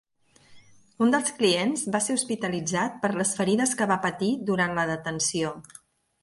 Un dels clients va ser hospitalitzat per les ferides que va patir durant la detenció.